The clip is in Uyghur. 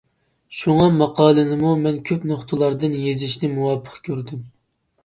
شۇڭا، ماقالىنىمۇ مەن كۆپ نۇقتىلاردىن يېزىشنى مۇۋاپىق كۆردۈم.